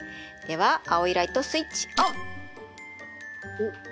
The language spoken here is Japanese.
では青いライトスイッチオン！